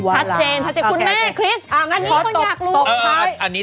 ชัดเจนคุณแม่ค์คริสค์อันนี้คนอยากรู้